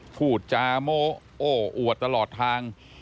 พูดจาโมโอ้อวดตลอดทาง